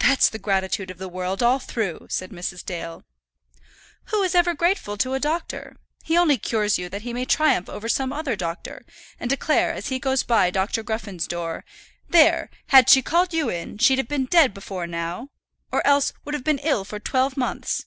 "That's the gratitude of the world, all through," said Mrs. Dale. "Who is ever grateful to a doctor? He only cures you that he may triumph over some other doctor, and declare, as he goes by Dr. Gruffen's door, 'There, had she called you in, she'd have been dead before now; or else would have been ill for twelve months.'